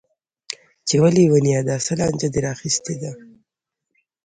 چې وه ليونيه دا څه لانجه دې راخيستې ده.